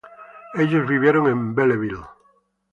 Ellos vivieron en Belleville.